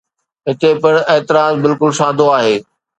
هتي پڻ اعتراض بلڪل سادو آهي.